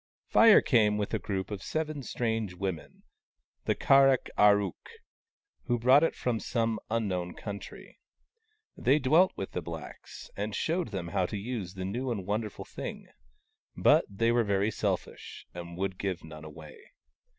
Fire came with a group of seven strange women, the Kar ak ar ook, who brought it from some un known country. They dwelt with the blacks, and showed them how to use the new and wonderful thing : but they were very selfish, and would give none away.